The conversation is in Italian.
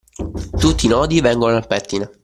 Tutti i nodi vengono al pettine.